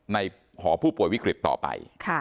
หอผู้ป่วยวิกฤตต่อไป